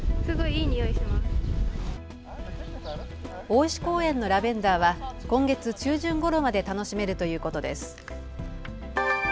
大石公園のラベンダーは今月中旬ごろまで楽しめるということです。